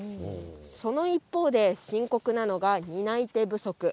その一方で、深刻なのが担い手不足。